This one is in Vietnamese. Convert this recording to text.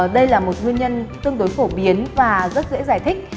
đây là một nguyên nhân tương đối phổ biến và rất dễ giải thích